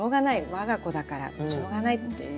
我が子だからしょうがないっていう。